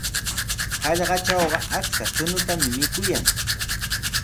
Hallqatrawqa achka chuñutami mikuyan.